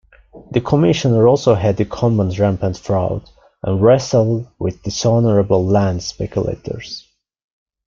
The commissioner also had to combat rampant fraud and wrestle with dishonorable land speculators.